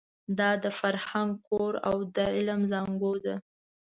دا د فرهنګ کور او د علم زانګو ده.